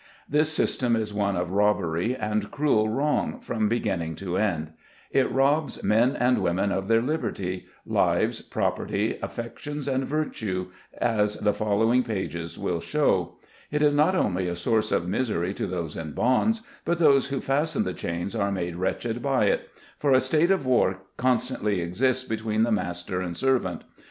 This system is one of robbery and cruel wrong, from beginning to end. It robs men and women of their liberty, lives, property, affections, and virtue, as the following pages will show. It is not only a source of misery to those in bonds, but those who fasten the chains are made wretched by it ; for a state of war constantly exists between the master and servant.